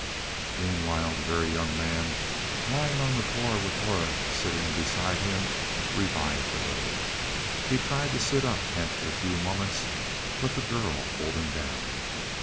Meanwhile the Very Young Man, lying on the floor with Aura sitting beside him, revived a little. He tried to sit up after a few moments, but the girl pulled him down.